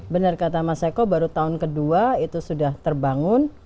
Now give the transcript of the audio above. benar kata mas eko baru tahun kedua itu sudah terbangun